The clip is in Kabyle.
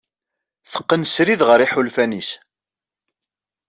Teqqen srid ɣer yiḥulfan-is.